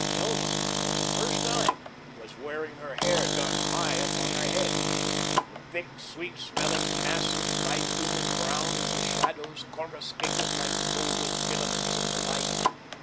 Hilma, for the first time, was wearing her hair done high upon her head. The thick, sweet smelling masses, bitumen brown in the shadows, corruscated like golden filaments in the light.